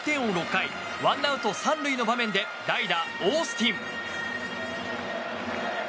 ６回ワンアウト３塁の場面で代打、オースティン。